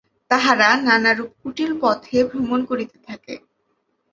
তাহারা নানারূপ কুটিল পথে ভ্রমণ করিতে থাকে।